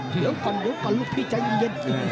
เดี๋ยวก่อนลุกพี่ใจเย็น